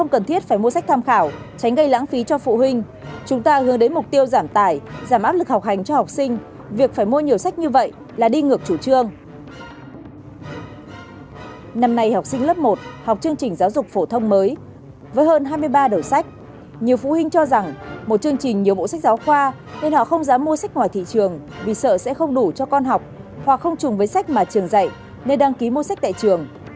nhiều phụ huynh cho rằng một chương trình nhiều bộ sách giáo khoa nên họ không dám mua sách ngoài thị trường vì sợ sẽ không đủ cho con học hoặc không chùng với sách mà trường dạy nên đăng ký mua sách tại trường